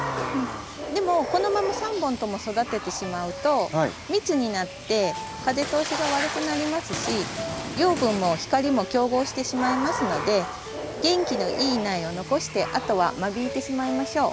でもこのまま３本とも育ててしまうと密になって風通しが悪くなりますし養分も光も競合してしまいますので元気のいい苗を残してあとは間引いてしまいましょう。